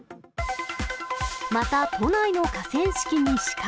また都内の河川敷にシカ。